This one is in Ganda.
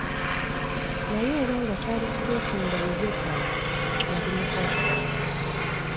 Naye oba nga kyali kituufu nga bibye ddala, yali mugagga.